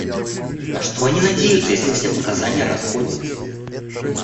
На что они надеются, если все показания расходятся?